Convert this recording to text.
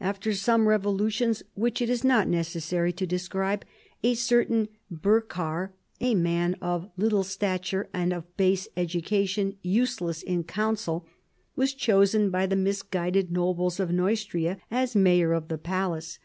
After some revolutions which it is not necessary to describe, a certain Ber char, "a man of little stature, of base education, useless in counsel," was chosen by the misguided nobles of Neustria as mayor of the palace.